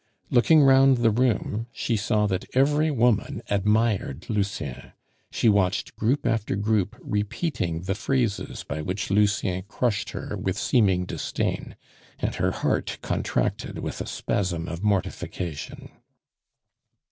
Looking round the room, she saw that every woman admired Lucien; she watched group after group repeating the phrases by which Lucien crushed her with seeming disdain, and her heart contracted with a spasm of mortification.